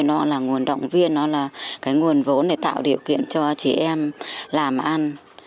nó là nguồn động viên nó là cái nguồn vốn để tạo điều kiện cho chị em làm ăn